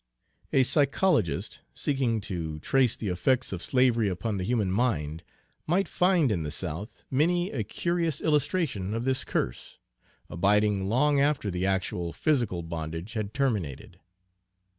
A psychologist, seeking to trace the effects of slavery upon the human mind, might find in the South many a curious illustration of this curse, abiding long after the actual physical bondage had terminated.